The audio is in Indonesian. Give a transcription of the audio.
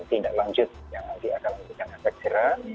tindaklanjut yang akan di lakukan